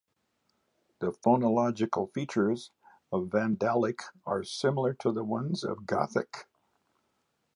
The phonological features of Vandalic are similar to the ones of Gothic.